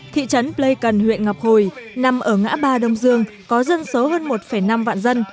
thị trấn pleikon huyện ngọc hồi nằm ở ngã ba đông dương có dân số hơn một năm vạn dân